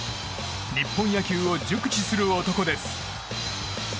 日本野球を熟知する男です。